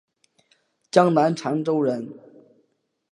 江南长洲人。